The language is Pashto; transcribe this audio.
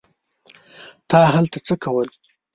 تا هلته څه کول.